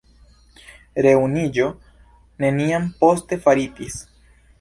Reunuiĝo neniam poste faritis.